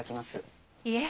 いえ。